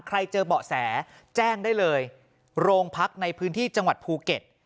เจอเบาะแสแจ้งได้เลยโรงพักในพื้นที่จังหวัดภูเก็ต